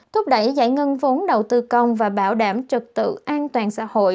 thúc đẩy giải ngân vốn đầu tư công và bảo đảm trực tự an toàn xã hội